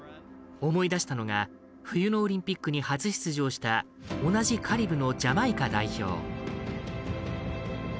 思い出したのが冬のオリンピックに初出場した同じカリブのジャマイカ代表。